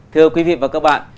thưa quý vị và các bạn